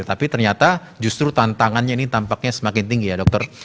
tapi ternyata justru tantangannya ini tampaknya semakin tinggi ya dokter